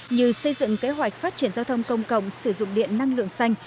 như xây dựng kế hoạch phát triển giao thông công cộng sử dụng điện năng lượng xanh